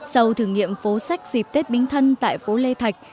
sau thử nghiệm phố sách dịp tết bính thân tại phố lê thạch